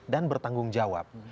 dan bertanggung jawab